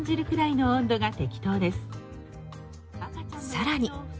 さらに。